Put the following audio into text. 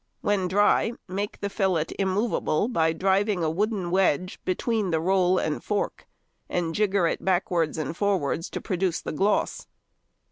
When dry, make the fillet immovable by driving a wooden wedge between the roll and fork, and gigger it backwards and forwards to produce the gloss.